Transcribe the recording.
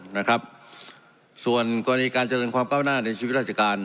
นะครับส่วนกรณีการเจริญความก้าวหน้าในชีวิตราชการ